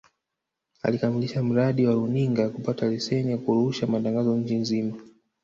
Alikamilisha mradi wa runinga kupata leseni ya kurusha matangazo nchi nzima